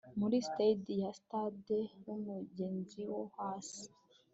Muri staid ya stade yumugezi wo hasi